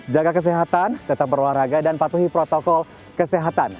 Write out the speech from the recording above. jaga kesehatan tetap berolahraga dan patuhi protokol kesehatan